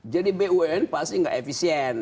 jadi bumn pasti tidak efisien